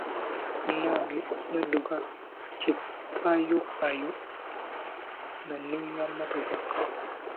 Munnange nadduka kipayoppayo nga nninnya mmotoka.